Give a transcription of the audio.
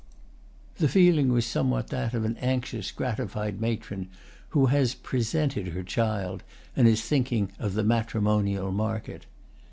The feeling was somewhat that of an anxious, gratified matron who has "presented" her child and is thinking of the matrimonial market.